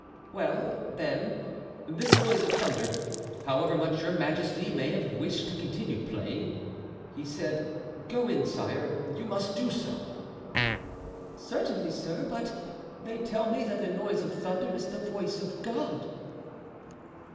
"Well, then, this noise of thunder, however much your majesty may have wished to continue playing, has said, 'go in, sire. You must do so.'" "Certainly, sir; but they tell me that the noise of thunder is the voice of God."